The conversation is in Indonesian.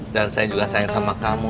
dan saya juga sayang sama kamu